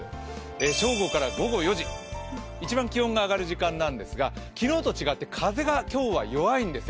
正午から午後４時、一番気温が上がる時間なんですが昨日と違って風は今日は弱いんですよ。